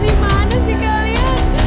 di mana sih kalian